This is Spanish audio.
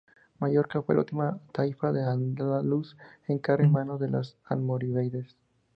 Mallorca fue la última taifa de Al-Ándalus en caer en manos de los almorávides.